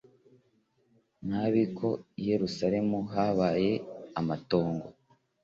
Nabi ko i yerusalemu habaye amatongo